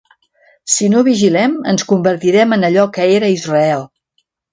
Si no vigilem, ens convertirem en allò que era Israel.